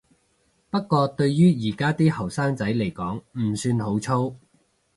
不過對於而家啲後生仔來講唔算好粗